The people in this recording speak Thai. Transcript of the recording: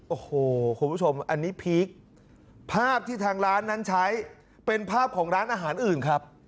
โอ้โหคุณผู้ชมอันนี้พีคภาพที่ทางร้านนั้นใช้เป็นภาพของร้านอาหารอื่นครับ